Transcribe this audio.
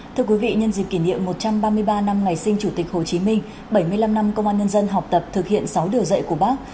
thưa quý vị nhân dịp kỷ niệm một trăm ba mươi ba năm ngày sinh chủ tịch hồ chí minh bảy mươi năm năm công an nhân dân học tập thực hiện sáu điều dạy của bác